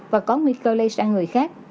và có nguy cơ lây sang người khác